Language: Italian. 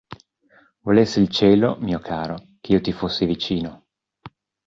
Volesse il cielo, mio caro, che io ti fossi vicino.